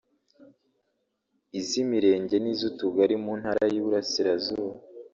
iz’imirenge n’iz’utugari mu Ntara y’Iburasirazuba